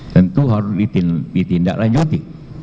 tentu harus ditindak lanjuti